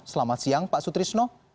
selamat siang pak sutrisno